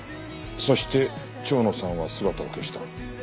そして蝶野さんは姿を消した。